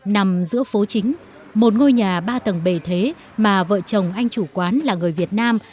nằm giữa phố chính một ngôi nhà ba tầng bề thế mà vợ chồng anh chủ quán là người việt nam